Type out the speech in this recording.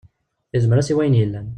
Yezmer-as i wayen yellan.